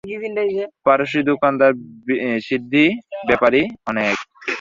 পারসী দোকানদার, সিদ্ধি ব্যাপারী অনেক।